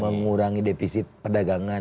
mengurangi depisit perdagangan